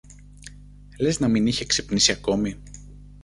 Λες να μην είχε ξυπνήσει ακόμη